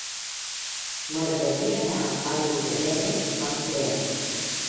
M'agradaria anar a Riudarenes amb tren.